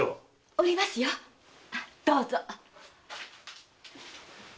おりますよどうぞ。